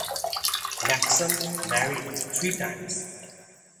Maxam married three times.